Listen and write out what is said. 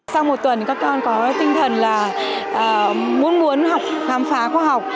sau một tuần các con có tinh thần là muốn học khám phá khoa học